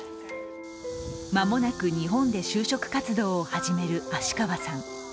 間もなく日本で就職活動を始める芦川さん。